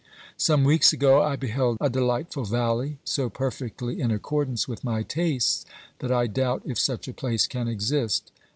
Some weeks ago I beheld a delightful valley, so perfectly in accordance with my tastes that I doubt if such a place can exist.